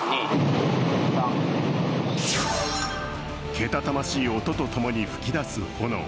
けたたましい音と共に噴き出す炎。